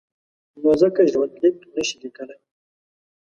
نو ځکه ژوندلیک نشي لیکلای.